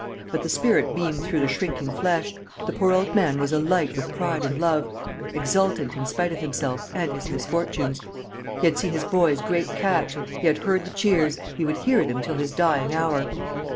But the spirit beamed through the shrinking flesh, the poor old fellow was alight with pride and love, exultant in spite of himself and his misfortunes. He had seen his boy's great catch; he had heard the cheers, he would hear them till his dying hour.